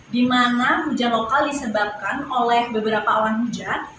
dimana hujan lokal disebabkan oleh beberapa awan hujan